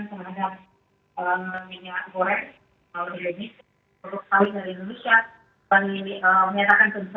yang menjadi salah satu alternatif